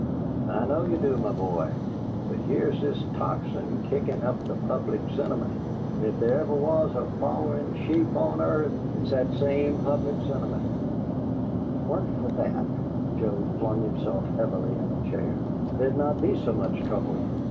"I know ye do, my boy. But here's this Tocsin kickin' up the public sentiment; and if there ever was a follerin' sheep on earth, it's that same public sentiment!" "If it weren't for that" Joe flung himself heavily in a chair "there'd not be so much trouble.